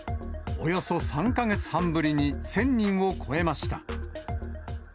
およそ３か月半ぶりに１０００人を超えました。